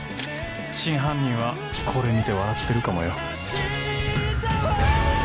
真犯人はこれ見て笑ってるかもよ。